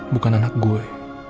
bukan anak gue